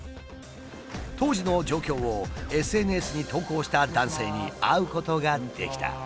当時の状況をＳＮＳに投稿した男性に会うことができた。